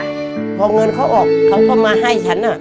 พอเงินเงินเขาออกความกลัวมาให้ฉัน